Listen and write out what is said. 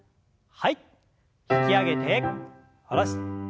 引き上げて下ろして。